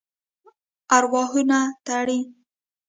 ارواحو تړي.